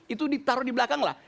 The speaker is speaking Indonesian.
itu ditaruh di belakang lah